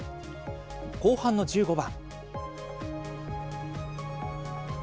後半の１５番。